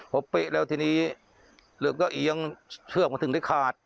พอเปะแล้วทีนี้เรือก็อิ๊งเชี่ยวมาได้ขาด